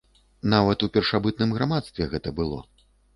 Нават у першабытным грамадстве гэта было!